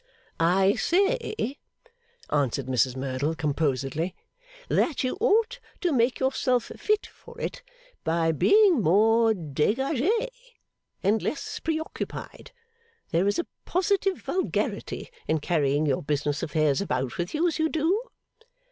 'I say,' answered Mrs Merdle composedly, 'that you ought to make yourself fit for it by being more degage, and less preoccupied. There is a positive vulgarity in carrying your business affairs about with you as you do.